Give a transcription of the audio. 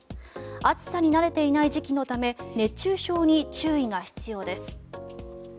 暑さに慣れていない時期のため熱中症に注意が必要です。